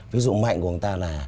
ví dụ mạnh của người ta là